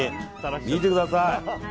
見てください。